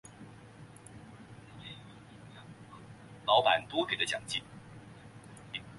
老板多给的奖金